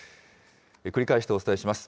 繰り返してお伝えします。